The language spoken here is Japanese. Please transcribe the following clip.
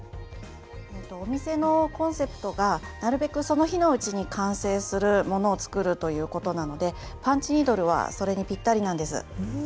お店のコンセプトがなるべくその日のうちに完成するものを作るということなのでパンチニードルはそれにピッタリなんです。